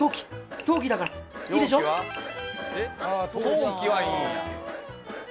陶器はいいんや。